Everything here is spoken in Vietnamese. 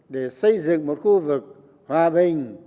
để xây dựng một khu vực hòa bình